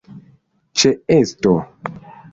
ĉeesto